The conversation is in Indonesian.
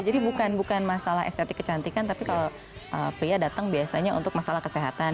jadi bukan masalah estetik kecantikan tapi kalau pria datang biasanya untuk masalah kesehatan